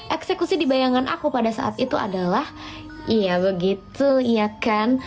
eksekusi dibayangan aku pada saat itu adalah iya begitu ya kan